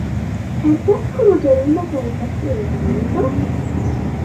هل تذكر جريمة القتل الغامضة ؟